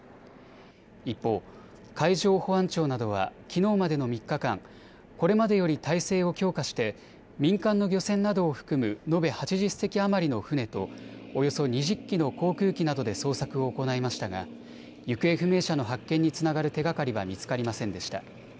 一方、海上保安庁などはきのうまでの３日間、これまでより態勢を強化して民間の漁船などを含む延べ８０隻余りの船とおよそ２０機の航空機などで捜索を行いましたが行方不明者の発見につながる手がかりは見つかりませんでした。